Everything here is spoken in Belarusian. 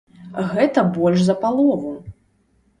Гэта больш за палову!